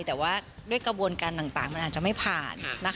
แต่ว่าด้วยกระบวนการต่างมันอาจจะไม่ผ่าน